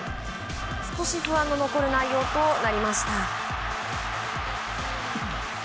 少し不安の残る内容となりました。